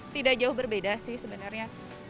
tidak jauh berbeda sih sebenarnya